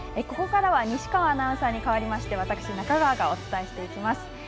ここからは西川アナウンサーに代わりまして私、中川がお伝えしていきます。